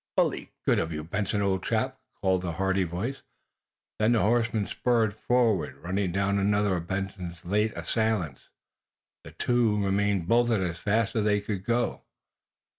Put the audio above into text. "Bully good of you, Benson, old chap!" called a hearty voice. Then the horseman spurred forward, running down another of Benson's late assailants. The two remaining bolted as fast as they could, go.